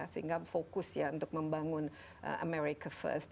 sehingga fokus ya untuk membangun america first